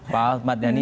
pak ahmad yani